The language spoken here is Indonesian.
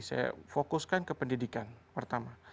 saya fokuskan ke pendidikan pertama